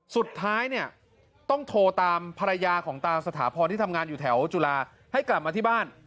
สุดท้ายเนี่ยต้องโทรตามภรรยาของตาสถาพรที่ทำงานอยู่แถวจุฬาให้กลับมาที่บ้าน